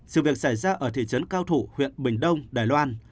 sự việc xảy ra ở thị trấn cao thủ huyện bình đông đài loan